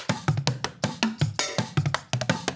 เพื่อสนับสนุนที่สุดท้าย